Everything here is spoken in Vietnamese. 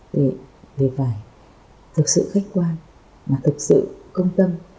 thì phải thực sự khách quan mà thực sự công tâm